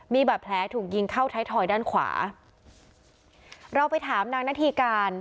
มีบาดแผลถูกยิงเข้าไทยทอยด้านขวาเราไปถามนางนาธีการ